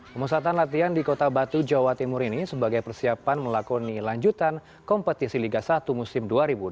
pemusatan latihan di kota batu jawa timur ini sebagai persiapan melakoni lanjutan kompetisi liga satu musim dua ribu dua puluh